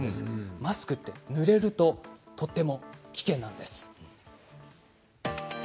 マスクはぬれるととても危険なんです。